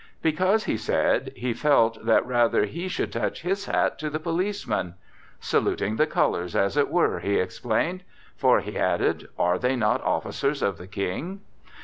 Because, he said, he felt that rather he should touch his hat to the policemen. "Saluting the colours, as it were," he explained. "For," he added, "are they not officers of the King?"